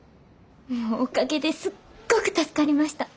おかげですっごく助かりました。